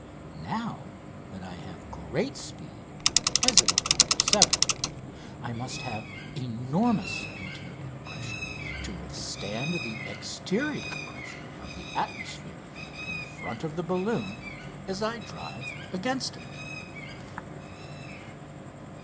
Now that I have great speed, as in my "No. 7," I must have enormous interior pressure to withstand the exterior pressure of the atmosphere in front of the balloon as I drive against it.